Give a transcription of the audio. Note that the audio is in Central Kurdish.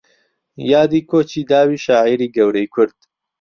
یادی کۆچی داوی شاعیری گەورەی کورد